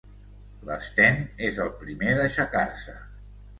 L'Sten és el primer d'aixecar-se.